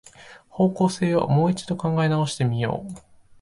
方向性をもう一度考え直してみよう